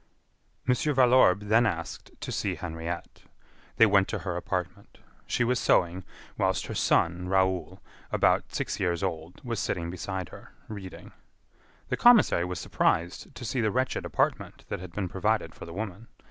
Mon. Valorbe then asked to see Henriette. They went to her apartment; she was sewing, whilst her son Raoul, about six years old, was sitting beside her, reading. The commissary was surprised to see the wretched apartment that had been provided for the woman.